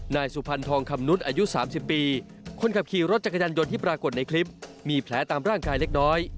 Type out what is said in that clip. นายสุพรรณทองคำนุษย์อายุ๓๐ปีคนขับขี่รถจักรยานยนต์ที่ปรากฏในคลิปมีแผลตามร่างกายเล็กน้อย